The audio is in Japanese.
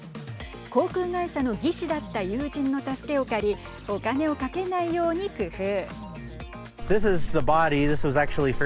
航空会社の技師だった友人の助けを借りお金をかけないように工夫。